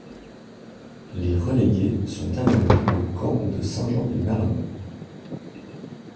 Les relégués sont amenés au camp de Saint Jean du Maroni.